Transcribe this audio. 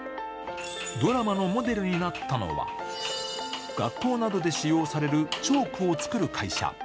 ドラマのモデルになったのは、学校などで使用されるチョークを作る会社。